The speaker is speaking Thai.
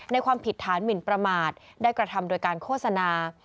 ความผิดฐานหมินประมาทได้กระทำโดยการโฆษณา